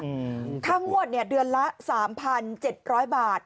ค่างวดเนี้ยเดือนละสามพันเจ็ดร้อยบาท